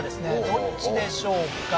どっちでしょうか。